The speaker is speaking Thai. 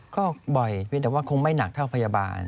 ก็บ่อยเพียงแต่ว่าคงไม่หนักเท่าพยาบาล